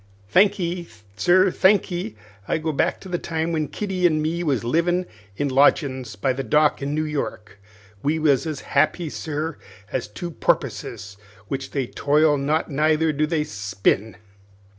"Thankee, sir, thankee. I go back to the time when Kitty an' me was livin' in lodgin's by the dock in New York. We was as happy, sir, as two porpusses, which they toil not neither do they spin.